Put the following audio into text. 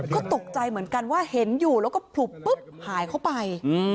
ก็ตกใจเหมือนกันว่าเห็นอยู่แล้วก็ผลุบปุ๊บหายเข้าไป